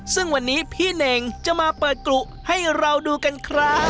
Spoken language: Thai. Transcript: ซึ่งวันนี้พี่เน่งจะมาเปิดกรุให้เราดูกันครับ